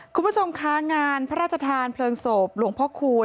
คุณผู้ชมคะงานพระราชทานเพลิงศพหลวงพ่อคูณ